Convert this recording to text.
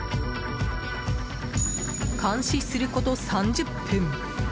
監視すること３０分。